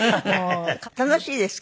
楽しいですか？